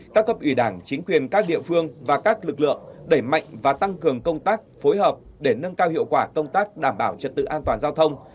các cấp ủy đảng chính quyền các địa phương và các lực lượng đẩy mạnh và tăng cường công tác phối hợp để nâng cao hiệu quả công tác đảm bảo trật tự an toàn giao thông